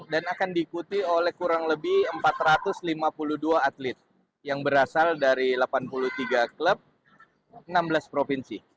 akan diikuti oleh kurang lebih empat ratus lima puluh dua atlet yang berasal dari delapan puluh tiga klub enam belas provinsi